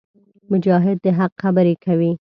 مجاهد د حق خبرې کوي.